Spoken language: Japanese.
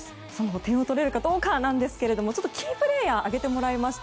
点を取れるかどうかなんですけれどもキープレーヤーを挙げてもらいました。